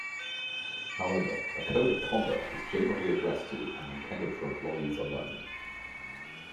However, a code of conduct is generally addressed to and intended for employees alone.